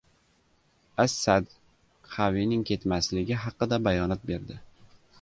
«As Sadd» Xavining ketmasligi haqida bayonot berdi